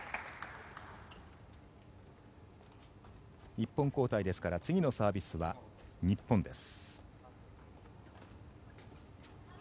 一本交代ですから次のサービスは日本です。